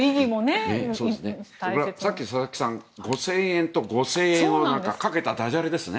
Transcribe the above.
さっき佐々木さん５０００円と５０００円をかけただじゃれですね。